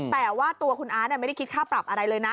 แต่ว่าตัวคุณอาร์ตไม่ได้คิดค่าปรับอะไรเลยนะ